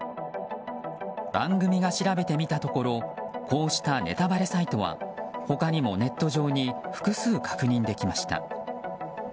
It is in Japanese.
番組が調べてみたところこうしたネタバレサイトは他にもネット上に複数確認できました。